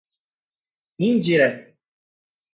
indireto